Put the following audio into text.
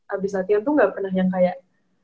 abis latihan tuh gak pernah yang kayak